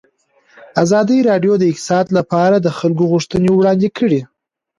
ازادي راډیو د اقتصاد لپاره د خلکو غوښتنې وړاندې کړي.